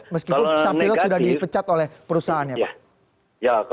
meskipun sang pilot sudah dipecat oleh perusahaannya pak